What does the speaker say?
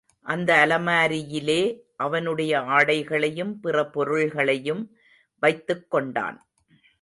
அந்த அலமாரியிலே அவனுடைய ஆடைகளையும் பிற பொருள்களையும் வைத்துக் கொண்டான்.